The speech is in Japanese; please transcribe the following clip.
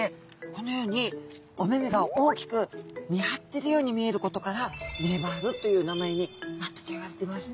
このようにお目々が大きく見張ってるように見えることからメバルという名前になったといわれてます。